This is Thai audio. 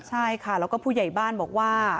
ใช่ค่ะแล้วก็ผู้ใหญ่บ้านบอกว่า